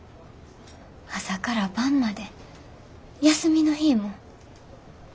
朝から晩まで休みの日も。